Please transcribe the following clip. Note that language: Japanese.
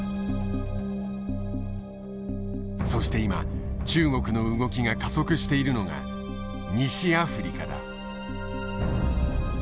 そして今中国の動きが加速しているのが西アフリカだ。